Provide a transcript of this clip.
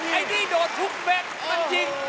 ไอ้นี่โดดทุกเม็ดมันจริง